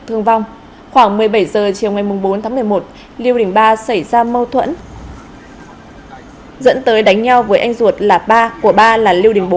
thương vong khoảng một mươi bảy h chiều ngày bốn tháng một mươi một liêu đình ba xảy ra mâu thuẫn dẫn tới đánh nhau với anh ruột là ba của ba là liêu đình bốn